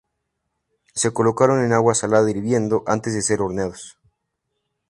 Se colocan en agua salada hirviendo antes de ser horneados.